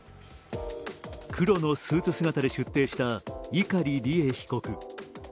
黒のスーツ姿で出廷した碇利恵被告。